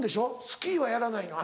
スキーはやらないの？